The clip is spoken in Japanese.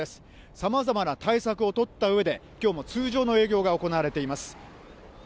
さまざまな対策を取ったうえで、きょうも通常の営業が行われています。